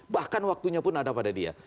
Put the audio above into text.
bahkan waktunya pun ada pada dia